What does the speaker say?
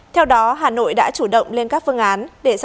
theo đó hà nội đã chủ động tìm kiếm những biện pháp mạnh để mở cửa